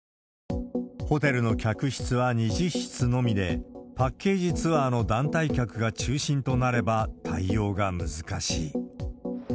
ホテルの客室は２０室のみで、パッケージツアーの団体客が中心となれば、対応が難しい。